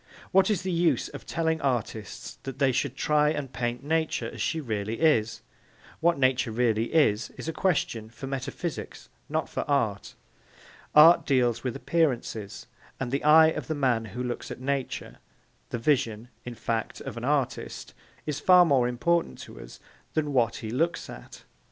What is the use of telling artists that they should try and paint Nature as she really is? What Nature really is, is a question for metaphysics not for art. Art deals with appearances, and the eye of the man who looks at Nature, the vision, in fact, of the artist, is far more important to us than what he looks at.